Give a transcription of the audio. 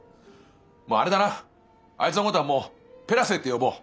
もうあれだなあいつのことはもう「ペラ瀬」って呼ぼう。